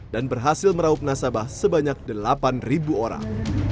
dan berhasil merauk nasabah sebanyak delapan orang